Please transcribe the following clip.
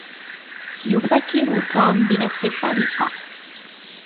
يفكّر توم بنفس الطريقة.